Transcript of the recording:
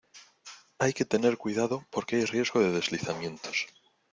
Hay que tener cuidado porque hay riesgo de deslizamientos.